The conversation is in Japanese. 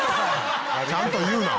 ちゃんと言うな。